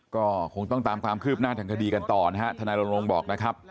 ก็คงต้องตามความคืบหน้าทางคดีกันต่อนะฮะทนายรณรงค์บอกนะครับ